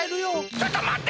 ちょっとまって！